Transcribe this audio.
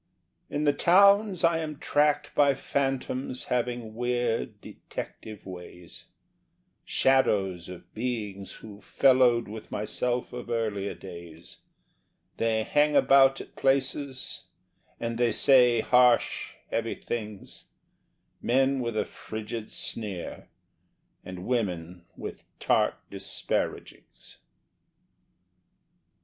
In the towns I am tracked by phantoms having weird detective ways— Shadows of beings who fellowed with myself of earlier days: They hang about at places, and they say harsh heavy things— Men with a frigid sneer, and women with tart disparagings.